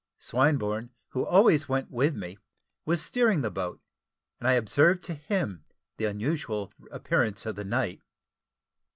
Swinburne, who always went with me, was steering the boat, and I observed to him the unusual appearance of the night.